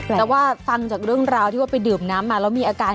แต่ว่าฟังจากเรื่องราวที่ว่าไปดื่มน้ำมาแล้วมีอาการ